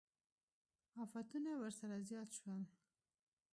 افتونه ورسره زیات شول.